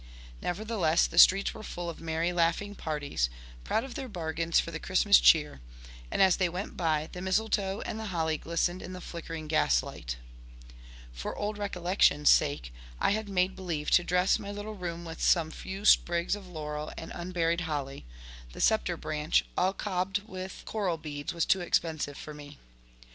Nevertheless, the streets were full of merry laughing parties, proud of their bargains for the Christmas cheer; and as they went by, the misletoe and the holly glistened in the flickering gaslight. For old recollection's sake, I had made believe to dress my little room with some few sprigs of laurel and unberried holly; the sceptre branch, all cobbed with coral beads, was too expensive for me.